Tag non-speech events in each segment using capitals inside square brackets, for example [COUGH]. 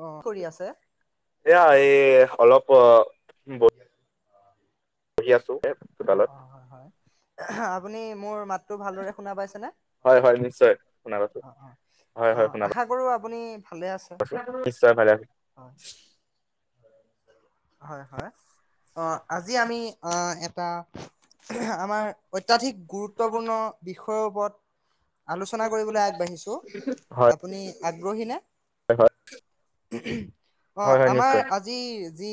অ', কৰি আছে এয়া এই অলপ বহি আছো এ অ', চোতালত। অ', হয়, হয়। আপুনি মোৰ মাত ভাল দৰে শুনা পাইছে ন হয় হয় নিশ্চয় শুনা পাইছো অ অ হয় অ হয় শুনা আশা কৰো আপুনি ভালে আছে? পাইছো নিশ্চয় ভালে আ হয়, হয় হয়। অ আজি আমি অ কুতা [UNINTELLIGIBLE] আমাৰ অত্যাধিক গুৰুত্বপূৰ্ণ বিষয়ৰ ওপৰত আলোচনা কৰিবলৈ আগবাঢ়িছো হয় আপুনি আগ গঢ়িলে। হয় হয় অ হয় হয় নিশ্চয় আমাৰ আজি আজি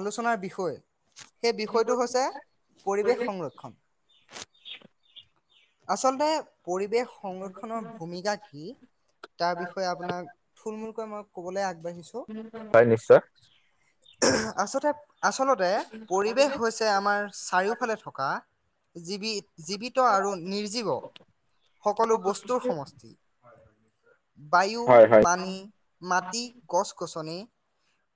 আলোচনাৰ বিষয় সেই বিষয়টো হৈছে পৰিৱেশ সংৰক্ষণ। আচলতে পৰিৱেশ সংৰক্ষণৰ ভূমিকা কি তাৰ বিষয়ে আপোনাক থুলমূলকৈ মই ক'বলে আ হয় নিশ্চয়। আচলতে আচলতে পৰিৱেশ হৈছে আমাৰ চাৰিওফালে থকা জিবি জীৱিত আৰুণ নিৰ্জীৱ সকলো বস্তুৰ সমষ্টি। বায়ু হয় হয় পানী মাটি গছ গছনি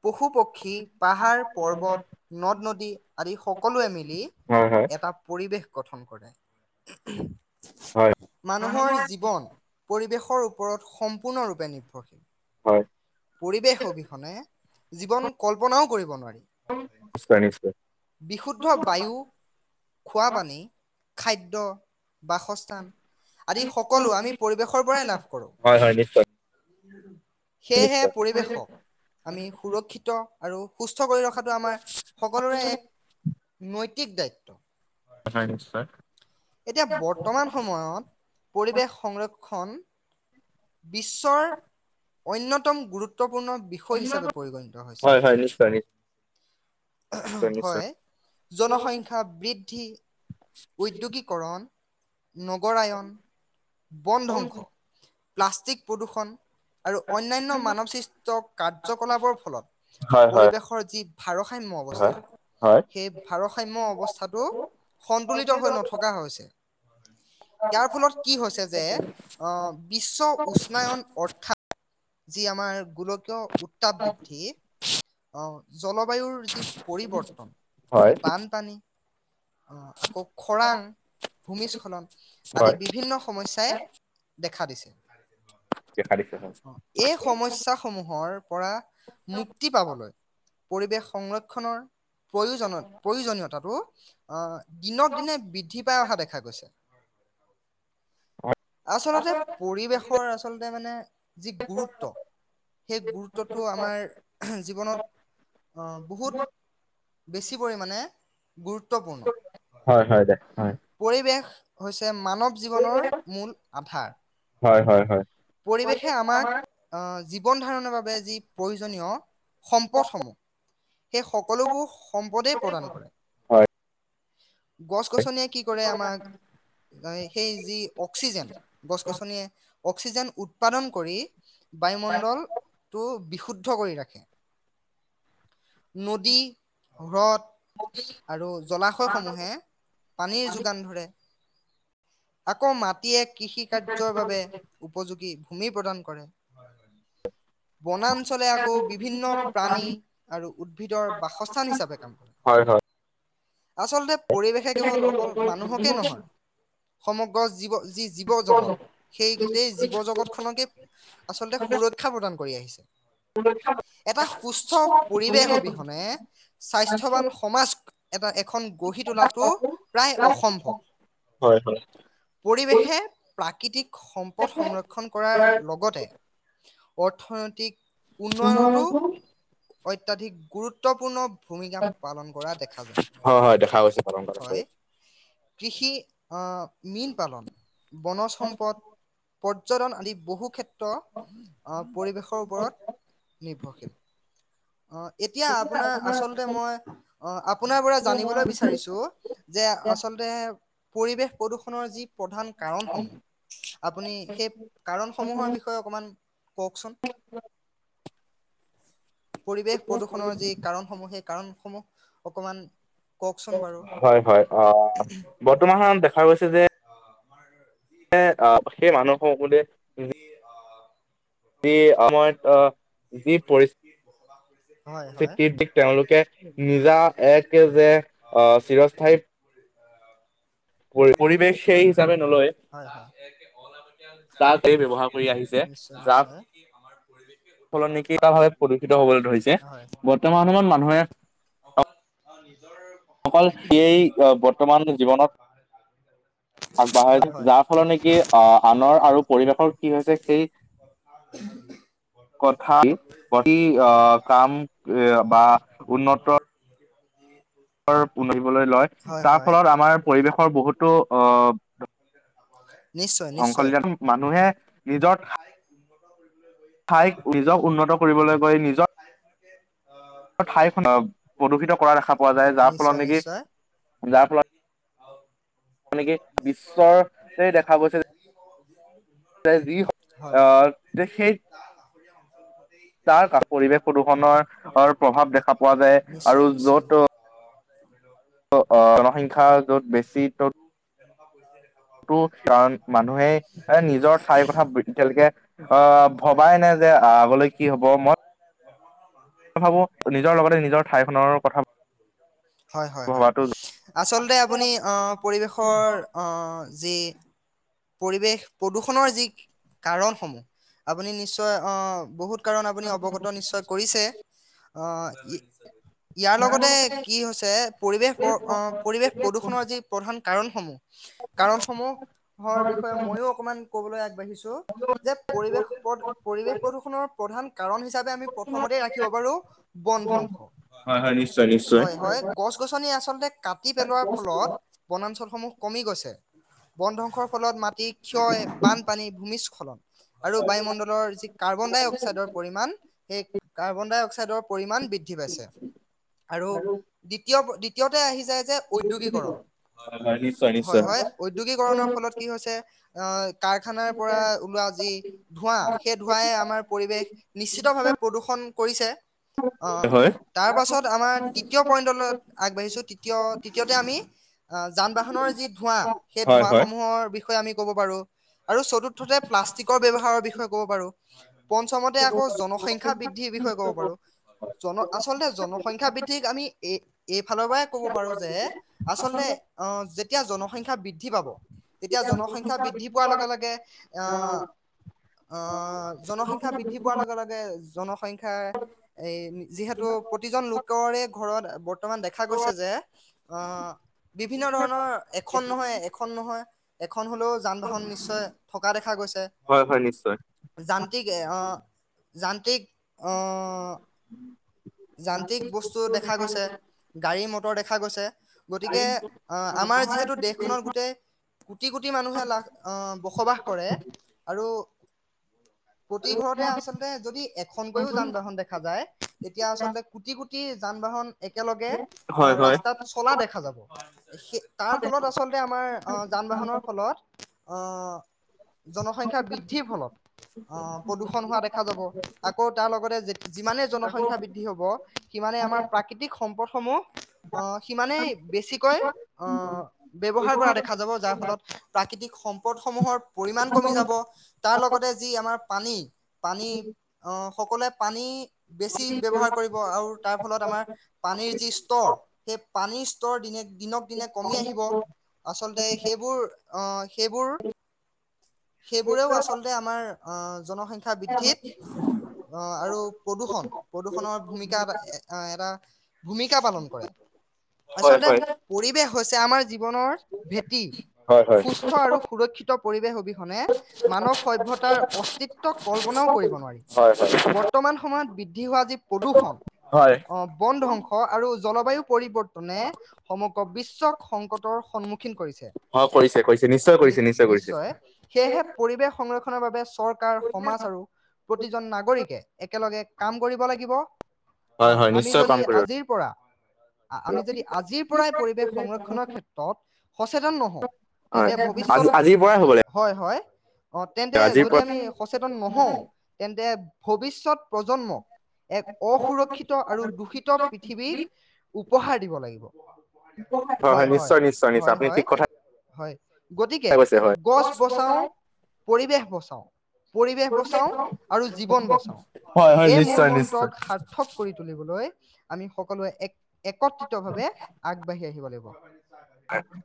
পশু পক্ষী পাহাৰ পৰ্বত নদ নদী আদি সকলোৱে মিলি হয় এটা পৰিৱেশ গঠন কৰে। উ মানুহৰ জীৱন পৰিৱেশ, ওপৰত সম্পূৰ্ণৰূপে নিৰ্ভৰশীল হয়। পৰিৱেশ অবিহনে জীৱন কল্পনাও কৰিব নোৱাৰি নিশ্চয় নিশ্চয় বিশুদ্ধ বায়ু খোৱা পানী খাদ্য,। বাসস্থান, আদি সকলো আমি পৰিৱেশৰ, পৰাই লাভ কৰোঁ। হয় হয় নিশ্চয় [UNINTELLIGIBLE] সেয়েহে নিশ্চয় পৰিৱেশক, আমি সুৰক্ষিত, আৰু সুস্থ, কৰি ৰখাটো আমাৰ সকলোৰে এক নৈত তিক দায়িত্ব। হয় নিশ্চয়- এতিয়া বৰ্তমান সময়ত পৰিৱেশ সংৰক্ষ খন বিশ্বৰ অন্যতম গুৰুত্ব গুৰুত্বপূৰ্ণ বিষয় হিচাপে পৰিগণিত হৈছে। হয় হয় নিশ্চয় নিশ্চয় নিশ্চয় হয় জনসংখ্যা বৃদ্ধি- উদ্যোগীকৰণ, নগৰায়ন বন ধ্বংস, প্লাষ্টিক, প্ৰদূৰষণ, আৰু অন্যান্য মানৱ সৃষ্ট কাৰ্যকলাপৰ ফলত হয় হয় পৰিৱেশৰ যি ভাৰসাম্য হয় অৱস্থা সেই ভাৰসাম্য অৱস্থাটো সন্তুলিত হৈ নথকা হৈছে। ইয়াৰ ফলত হৈছে যে আহ বিশ্ব উষ্ণায়ন অৰ্থাৎ যি আমাৰ- গলকীয় উত্তাপ বৃদ্ধি অ জলবায়ুৰ যি পৰিৱৰ্তন হয় হয় বানপানী, অ' আকৌ খৰাং ভূমিস্খলন আদি হয় বিভিন্ন সমস্যাই দেখা। দেখা দিছিল। দেখা দিছে হয় এই সমস্যাসমূহ সমূহৰ পৰা [UNINTELLIGIBLE] কি পাবলৈ? পৰিৱেশ সংৰক্ষণৰ প্ৰয়োজন প্ৰয়োজনীয়তাটো অ' দিনত দিনে বৃদ্ধি পাই অহা দেখা গৈছে। আচলতে পৰিৱেশৰ আচলতে মানে। যি গুৰুত্ব সেই গুৰুত্বটো আমাৰ। জীৱনত বহুত বেছি পৰিমাণে গুৰুত্বপূৰ্ণ হয় হয় দে হয়। পৰিৱেশ। মানৱ জীৱনৰ মূল আধাৰ। হয় হয় হয় পৰিৱেশে আমাক যি জীৱন ধাৰণৰ বাবে যি প্ৰয়োজনীয়। সম্পদসমূহ সেই সকলোবোৰ সম্পদেই প্ৰদান কৰে। হয় গছ। গছ গছনিয়ে কি কৰে আমাক সেই যি অক্সিজেন গছ গছনিয়ে। অক্সিজেন উৎপাদন কৰি বায়ুমণ্ডলটো বি শুদ্ধ কৰি ৰাখে নদী হ্ৰদ আৰু জলাশয়সমূহে পানীৰ যোগান ধৰে। আকৌ ম য়ে কৃষি কাৰ্যৰ বাবে উপযোগী। ভূমি প্ৰদান কৰে বনাঞ্চলে আকৌ বিভিন্ন প্ৰাণী আৰু উদ্ভিদৰ বাসস্থান হিচাপে কাম কৰে। হয় হয় আচলতে পৰিৱেশে কেৱল অকল মানুহকে নহয়। সমগ্ৰ জীৱ যি জীৱ জগত, সেই গোটেই জীৱ জগতখনকে আচলতে সুৰক্ষা প্ৰদান কৰি আহিছে। এটা সুস্থ পৰিৱেশ অবিহনে স্বাস্থ্যৱান সমাজ এটা [UNINTELLIGIBLE] খন গঢ়ি তোলাটো প্ৰায় অসম্ভৱ। হয় হয় পৰিৱেশে প্ৰাকৃতিক সম্পদ সংৰক্ষণ কৰাৰ লগতে, অৰ্থনৈতিক উন্নয়নতো অত্যাধিক গুৰুত্ব পূৰ্ণ ভূমিকা পালন কৰা দেখা যায় হয় হয় দেখা গৈছে পালন কৰা। হয় কৃষি আহ মীন পালন বনজ সম্পদ পৰ্যটন আদি বহু ক্ষেত্ৰত পৰিৱেশৰ ওপৰত নিৰ্ভৰশীল অ, এতিয়া আপোনাৰ আচলতে মই অ! আ আপোনাৰ পৰা জানিবলৈ বিচাৰিছো যে, আচলতে পৰিৱেশ প্ৰদূৰষণৰ যি প্ৰধান কাৰণসমূহ, আপুনি সেই কাৰণসমূহৰ বিষয়ে অকণমান কওকচোন। পৰিৱেশ প্ৰদূষণৰ যি কাৰণসমূহ, সেই কাৰণসমূহ, অকণমান হয় হয় অ বৰ্তমানত দেখা গৈছে যে, সেই মানুহ হয় বোলো উম। যি আমাৰ, অ', যি হয় পৰিস্থিতিত দিশ হয় তেওঁলোকে নিজা এ‌‌ তো জেদ, অ', চিৰস্থায়ী পৰিৱেশ সেই হিচাপে নলয় ব্যৱহাৰ কৰি আহিছে, যাৰ সলনি [UNINTELLIGIBLE] ভাৱে প্ৰদূষিত হবলৈ ধৰিছে বৰ্তমান বৰ্তমান সময়ত মানুহে অ নিজৰ অকল সিয়েই বৰ্তমান জীৱনত আগবাঢ়াই যাৰ ফলত নেকি আহ আনৰ আৰু পৰিৱেশৰ কি হৈছে, সেই কথা প্ৰতি আহ কাম, এ বা উন্নত উম। পিৰিবলৈ লয়, তাৰ ফলত আমাৰ পৰিৱেশৰ বহুতো অহ নিশ্চয় নিশ্চয়। অংকলজন মানুহে ৰিজৰ্ট ঠাইক নিজক উন্নত কৰিবলৈ গৈ নিজৰ ঠাই প্ৰদূষিত কৰা দেখা পোৱা যায়। যাৰ ফলত নেকি যাৰ ফলত মানে কি বিশ্বৰ কৈ দেখা গৈছে [UNINTELLIGIBLE] [UNINTELLIGIBLE] আঁ যে সেই ত অঞ্চলত তাৰ পৰিৱেশ প্ৰদূৰণৰ প্ৰভাৱ দেখা পোৱা যায় নিশ্চয় আৰু নিশ্চয়। য'ত ত' জনসংখ্যা য'ত বেছি ত'ত [UNINTELLIGIBLE] টো কাৰণ মানুহে নিজৰ ঠাইৰ কথা এতিয়ালৈকে আহ ভবাই নে যে আগলৈ কি হব। মই ভাবো নিজৰ লগতে নিজৰ ঠাইখনৰ কথা হয়-হয়-হয়। ভবাটো আচলতে আপুনি পৰিৱেশৰ যি পৰিৱেশ প্ৰদূষণৰ যি কাৰণসমূহ, আপুনি নিশ্চয় আহ বহুত কাৰ আপুনি অৱগত নিশ্চয় কৰিছে। অহ ইয়াৰ লগতে কি হৈছে, পৰিৱেশ-পৰিৱেশ প্ৰদূষণৰ যি প্ৰধান কাৰণসমূহ, কাৰণসমূহ ঘৰ বিষয়ে মইয়ো অকমান ক'বলৈ দেখিছো যে পৰিৱেশ পদ, পৰিৱেশ প্ৰদূষণৰ প্ৰধান কাৰণ হিচাপে আমি প্ৰথমতে ৰাখিব পাৰো বন ধ্বংস। হয় হয় নিশ্চয় নিশ্চয় হয়-হয় গছ গছনি আচলতে কাটি পেলোৱাৰ ফলত বনাঞ্চলসমূহ কমি গৈছে। বন-ধ্বংস ফলত মাটি ক্ষয়, বানপানী, ভূমিস্খলন আৰু বায়ুমণ্ডলৰ যি কাৰ্বন-ডাই-অক্সাইডৰ পৰিমাণ সেই কাৰ্বন-ডাই-অক্সাইডৰ পৰিমাণ বৃদ্ধি পাইছে আৰু দ্বিতীয় সিহঁতে আহি যায় যে উদ্যোগিকৰণ, হয় হয় নিশ্চয় নিশ্চয় হয়-হয় উদ্যোগিকৰণৰ ফলত পিছে, অ কাৰখানাৰ পৰা ওলোৱা যি ধোঁৱা, সেই ধোঁৱাই আমাৰ পৰিৱেশ নিশ্চিতভাৱে প্ৰদূষন কৰিছে। অহ হয় তাৰ পাছত আমাৰ তৃতীয় পইণ্টলৈ আগবাঢ়িছো তৃতীয়-তৃতীয়তে আমি অ, যান-বাহনৰ যি ধোঁৱা, সেই হয় ধোঁৱা হয় সমূহৰ আমি ক'ব পাৰোঁ আৰু চতুৰ্থতে প্লাষ্টিকৰ ব্যৱহাৰৰ বিষয়ে ক'ব পাৰোঁ। পঞ্চমতে আকৌ জনসংখ্যা বৃদ্ধিৰ বিষয়ে ক'ব পাৰো। আচলতে জনসংখ্যা বৃদ্ধিক আমি এই এইফালৰ পৰাই কব পাৰো যে আচলতে অহ এতিয়া জনসংখ্যা বৃদ্ধি পাব। তেতিয়া জনসংখ্যা বৃদ্ধি পোৱাৰ লগে-লগে, আহ-আহ জনসংখ্যা বৃদ্ধি পোৱাৰ লগে-লগে, জনসংখ্যা এ যিহেতু প্ৰতিজন লোকৰে ঘৰত বৰ্তমান দেখা গৈছে যে, আহ বিভিন্ন ধৰণৰ এখন নহয় এখন নহয় এখন হলেও যান-বাহন নিশ্চয় থকা দেখা গৈছে, হয় হয় নিশ্চয় যান্ত্ৰিকে আহ যান্ত্ৰিক অ যান্ত্ৰিক বস্তুু দেখা গৈছে। গাড়ী মটৰ দেখা দেখা গৈছে। গতিকে, আহ আমাৰ যিহেতু দেশখনত গোটেই কোটি-কোটি মানুহে লাখ আহ বসবাস কৰে আৰু প্ৰতি ঘৰতে আচলতে যদি এখনকৈও যান- বাহন দেখা যায় তেতিয়া আচলতে কোটি- কোটি যান বাহন একেলগে, হয় অ হয় ৰাস্তাত চলা দেখা যাব। স তাৰ ফলত আচলতে আমাৰ যান-বাহনৰ ফলত অ জনসংখ্যা বৃদ্ধিৰ ফলত, অ প্ৰদূষণ হোৱা দেখা যাব। আকৌ তাৰ লগতে যিমানেই জনসংখ্যা বৃদ্ধি হব, সিমানে আমাৰ প্ৰাকৃতিক হোম সম্পদসমূহ আহ সিমানেই বেছিকৈ আহ ব্যৱহাৰ কৰা দেখা যাব, যাৰ ফলত প্ৰাকৃতিক সম্পদসমূহৰ পৰিমাণ কমি যাব। তাৰ লগতে যি আমাৰ পানী, পানী আহ সকলোৱে পানী বেছি ব্যবহাৰ কৰিব। আৰু তাৰ ফলত আমাৰ পানীৰ যি স্তৰ, হেই পা পানীৰ স্তৰ দিনে দি দিনক দিনে কমি আহিব। আচলতে সেইবোৰ অঁ। সেইবোৰ-সেইবোৰেও আচলতে আমাৰ অঁ। জনসংখ্যা বৃদ্ধিত। অঁ আৰু প্ৰদূষণ প্ৰদূষণৰ ভূমিকাত এ অ এটা [UNINTELLIGIBLE] ভূমিকা পালন কৰে। হয় হয় আচলতে হয় পৰিৱেশ হৈছে আমাৰ জীৱনৰ ভেটি, হয় হয় সুস্থ আৰু সুৰক্ষিত পৰিৱেশ অবিহনে মানৱ সভ্যতাৰ অস্তিত্বক কল্পনাও কৰিব নোৱাৰি। হয় বৰ্তমান সময়ত বিদ আজি প্ৰদূষণ। হয় অঁ বন ধংস আৰু জলবায়ু পৰিৱৰ্তনে সমগ্ৰ বিশ্বক সংকটৰ সন্মুখ সন্মখীন কৰিছে। হয় কৰিছে কৰিছে নিশ্চয় কৰিছে নিশ্চয় কৰিছে নি-নিশ্চয়, সেয়েহে পৰিৱেশ সংৰক্ষণ সংৰক্ষণ বাবে চ চৰকাৰ সমাজ আৰু প্ৰতিজন নাগৰিকে একেলগে কাম কৰিব লাগিব। হয়', হয় অঁ হয় আমি নিশ্চয় কাম যদি কৰিব আজিৰ পৰা, হয়', অ', আমি যদি আজিৰ পৰাই পৰিৱেশ সংৰক্ষণৰ ক্ষেত্ৰত সচেতন নহওঁ, তেন্তে ভবিষ্যত, হয়', আজিৰ পৰা হ'ব লাগিব, হয়-হয় লাগিব তেন্তে আজিৰ যদি পৰা আমি সচেতন নহওঁ, তেন্তে ভৱিষ্যত প্ৰ প্ৰজন্মক, এক অসুৰক্ষিত আৰু দূষিত পৃথিৱীক‌ উ', উপহাৰ দিব লাগিব। হয় হয় নিশ্চয় নিশ্চয় নিশ্চয় হয় আপুনি হয় ঠিক কথা হয় গতিকে, কৈছে হয় গছ বচাওঁ পৰিৱেশ বচাওঁ। বচাও হয় হয়। এই [INAUDIBLE] ৰ নিশ্চয় নিশ্চয় মনন্তটক সাৰ্থক কৰি তুলিবলৈ আমি সকলোৱে এক একত্ৰিত ভাৱে আগবাঢ়ি আহিব লাগিব।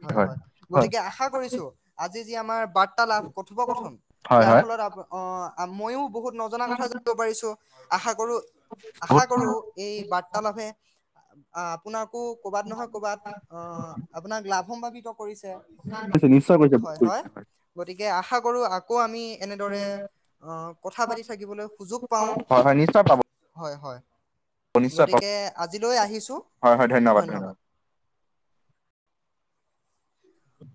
হয় হয় হয় গতিকে আশা কৰিছো। আজি যি আমাৰ বাৰ্তালাভ কথোপকথন হয় ইয়াৰ হয় ফলত আপ অ' মই বহুত নজনা কথা যাব পাৰিছোঁ। আশা কৰোঁ‌। আশা বহুত কৰো এই বাৰ্তালাপে অ' আপোনাক। কৰ'বাত নহয় কৰ'বাত অ আপোনাক লাভ সম্িত [INAUDIBLE] কাঢ়িছে কৰিছে নিশ্চয় কৰিছে বহুত হয় কৰিছে হয় গতিকে আশা কৰো আকৌ আমি এনেদৰে অ' কথা পাতি থাকিবলৈ সুযোগ পাওঁ। হয় হয় নিশ্চয় পাব হয় হয় নিশ্চয় পাব গতিকে আজিলৈ আহিছোঁ ধন্যবাদ।